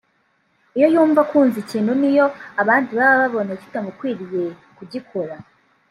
Iyo yumva akunze ikintu niyo abandi baba babona kitamukwiriye kugikora